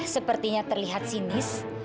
sepertinya terlihat sinis